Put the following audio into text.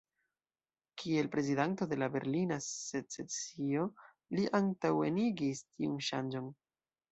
Kiel prezidanto de la "Berlina secesio" li antaŭenigis tiun ŝanĝon.